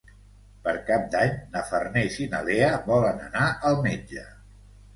Per Cap d'Any na Farners i na Lea volen anar al metge.